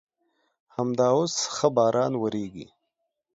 همدا اوس ښه باران ورېږي.